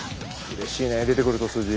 うれしいね出てくると数字。